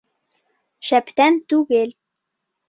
Шәптән түгел